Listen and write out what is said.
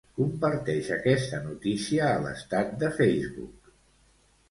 Comparteix aquesta notícia a l'estat de Facebook.